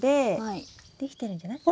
できてるんじゃない？